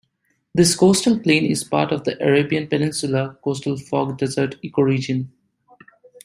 This coastal plain is part of the Arabian Peninsula coastal fog desert ecoregion.